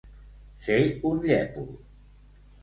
Ser un llépol.